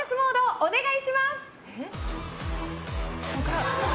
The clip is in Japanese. お願いします！